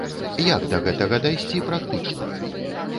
Як да гэтага дайсці практычна?